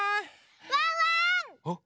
・ワンワン！